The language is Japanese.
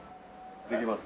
できます。